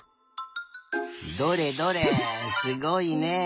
どれどれすごいね。